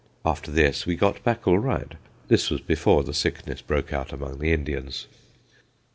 After this we got back all right. This was before the sickness broke out among the Indians.